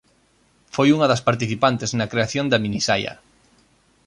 Foi unha das participantes na creación da minisaia.